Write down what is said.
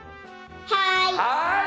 はい。